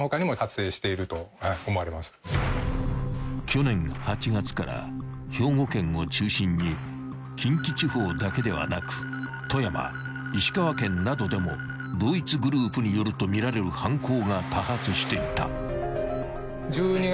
［去年８月から兵庫県を中心に近畿地方だけではなく富山石川県などでも同一グループによるとみられる犯行が多発していた］